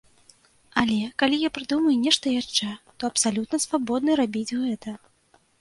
Але, калі я прыдумаю нешта яшчэ, то абсалютна свабодны рабіць гэта.